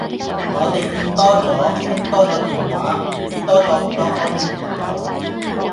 我地見多左，傾多左電話。俾多左好多安全感我。